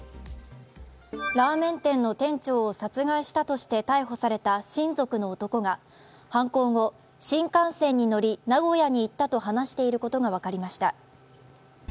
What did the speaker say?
ラーメン店の店長を殺害したとして逮捕された親族の男が犯行後、新幹線に乗り名古屋に行ったと話していることが分かりました。